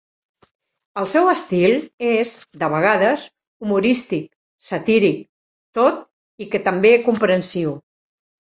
El seu estil és, de vegades, humorístic, satíric, tot i que també comprensiu.